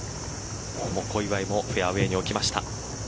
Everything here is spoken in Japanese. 小祝もフェアウエーに置きました。